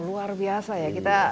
luar biasa ya